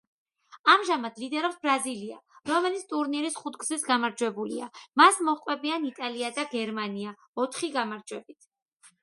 ამჟამად ლიდერობს ბრაზილია, რომელიც ტურნირის ხუთგზის გამარჯვებულია, მას მოჰყვებიან იტალია და გერმანია ოთხი გამარჯვებით.